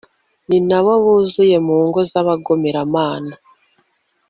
ni na bo buzuye mu ngo z'abagomeramana